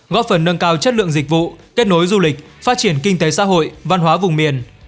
góp phần nâng cao chất lượng dịch vụ kết nối du lịch phát triển kinh tế xã hội văn hóa vùng miền